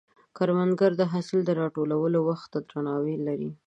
کروندګر د حاصل د راټولولو وخت ته درناوی لري